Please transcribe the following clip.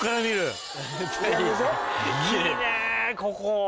ここ！